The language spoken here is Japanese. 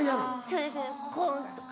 そうですねコン！とか。